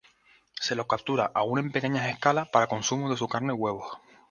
Se lo captura aún en pequeña escala para consumo de su carne y huevos.